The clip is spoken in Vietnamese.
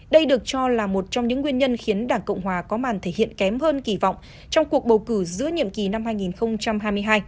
đây được cho là một trong những nguyên nhân khiến đảng cộng hòa có màn thể hiện kém hơn kỳ vọng trong cuộc bầu cử giữa nhiệm kỳ năm hai nghìn hai mươi hai